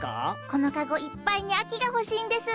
この籠いっぱいに秋が欲しいんです。